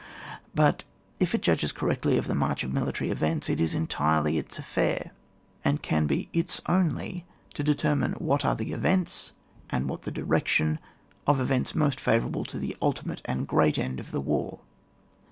But if it judges correctly of the march of military events, it is entirely its affair, and can be its only to determine what are the events and what the direction of events most favourable to the ultimate and great end of the war.